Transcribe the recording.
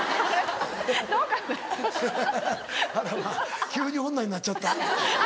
まぁ急に女になっちゃった。